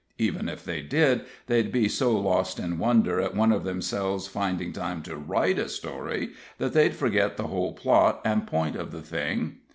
Even if they did, they'd be so lost in wonder at one of themselves finding time to write a story, that they'd forget the whole plot and point of the thing.